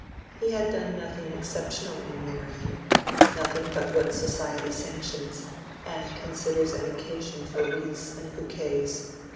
He had done nothing exceptional in marrying—nothing but what society sanctions, and considers an occasion for wreaths and bouquets.